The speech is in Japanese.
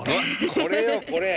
これよこれ！